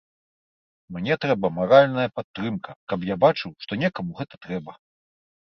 Мне трэба маральная падтрымка, каб я бачыў, што некаму гэта трэба.